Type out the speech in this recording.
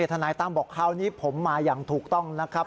ทนายตั้มบอกคราวนี้ผมมาอย่างถูกต้องนะครับ